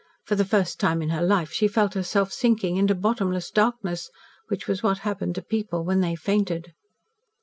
For the first time in her life she felt herself sinking into bottomless darkness which was what happened to people when they fainted.